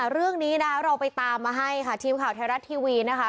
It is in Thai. เรื่องนี้นะคะเราไปตามมาให้ค่ะทีมข่าวไทยรัฐทีวีนะคะ